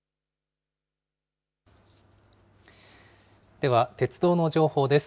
では鉄道の情報です。